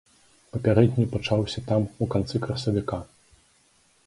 Папярэдні пачаўся там у канцы красавіка.